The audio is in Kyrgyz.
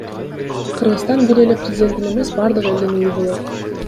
Кыргызстан бир эле президенттин эмес, бардык элдин үйү болот.